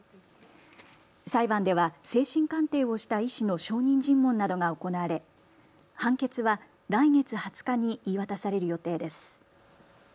裁判では精神鑑定をした医師の証人尋問などが行われ判決は来月２０日に言い渡される予定です。